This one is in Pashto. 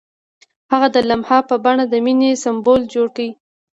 هغه د لمحه په بڼه د مینې سمبول جوړ کړ.